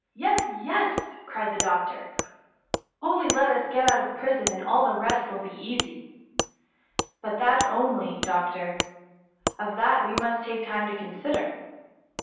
*^Yes, yes V^ cried the doctor, " only let us get out of prison, and all the rest will be easy. But that onfyf doctor/' '^ Of that, we must take time to consider.